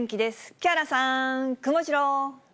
木原さん、くもジロー。